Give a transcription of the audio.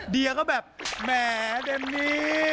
เดียก็แบบแหมเดมมี่